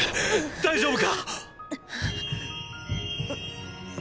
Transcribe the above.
大丈夫か！